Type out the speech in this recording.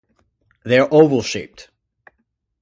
They are oval shaped.